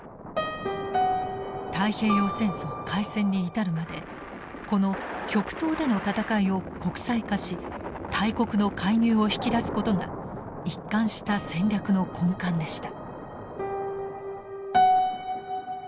太平洋戦争開戦に至るまでこの極東での戦いを国際化し大国の介入を引き出すことが一貫した戦略の根幹でした。